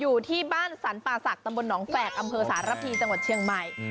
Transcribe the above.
อยู่ที่บ้านสรรป่าศักดิตำบลหนองแฝกอำเภอสารพีจังหวัดเชียงใหม่